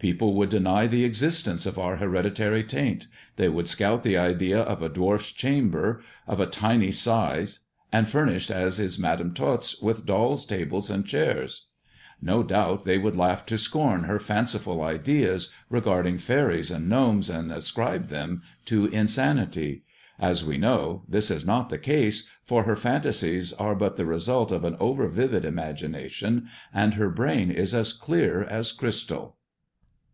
People would deny the existence of our hereditary taint ; they would scout the idea of a dwarf's chamber of a tiny size and furnished, as is Madam Tot's, with doll's tables and chairs. No doubt they would laugh to scorn her fanciful ideas regarding faeries and gnomes, and ascribe them to insanity. As we know, this is not the case, for her fantasies are but the result of an over vivid imagination, and her brain is as clear as crystal.